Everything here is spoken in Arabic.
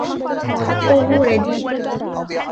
خَطهُ رديء.